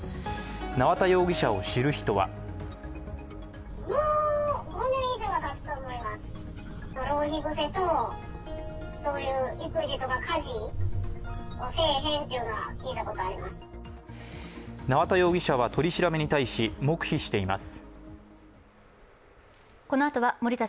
縄田容疑者を知る人は縄田容疑者は取り調べに対し黙秘しています。